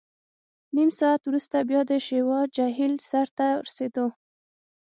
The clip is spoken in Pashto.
نیم ساعت وروسته بیا د شیوا جهیل سر ته ورسېدو.